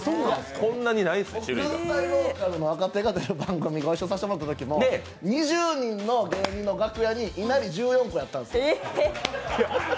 関西ローカルの若手が出る番組ご一緒させてもらったときも２０人の芸人の楽屋にいなり１４個やったんです。